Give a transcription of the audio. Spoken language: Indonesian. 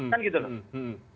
kan gitu loh